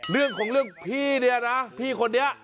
เรื่องของเรื่องพี่เนี่ยนะพี่คนนี้